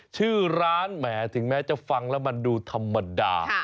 ชื่อร้านแหมถึงแม้จะฟังแล้วมันดูธรรมดา